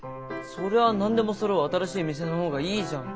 そりゃ何でもそろう新しい店の方がいいじゃん。